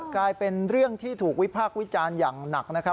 กลายเป็นเรื่องที่ถูกวิพากษ์วิจารณ์อย่างหนักนะครับ